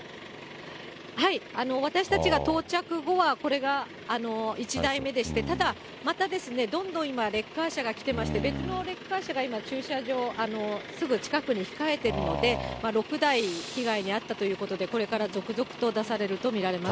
私たちが到着後は、これが１台目でして、ただまたですね、どんどん別のレッカー車が来てまして、別のレッカー車が今、駐車場すぐ近くに控えているので、６台、被害に遭ったということで、これから続々と出されると見られます。